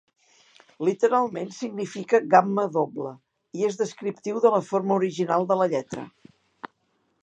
Literalment significa "gamma doble" i és descriptiu de la forma original de la lletra.